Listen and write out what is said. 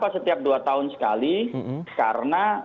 setiap dua tahun sekali karena